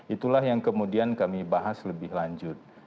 itulah yang kemudian kami bahas lebih lanjut